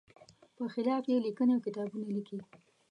په خلاف یې لیکنې او کتابونه لیکي.